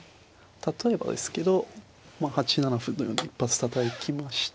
例えばですけど８七歩のように一発たたきまして。